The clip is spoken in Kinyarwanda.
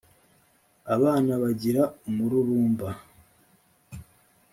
abana bagira umururumba.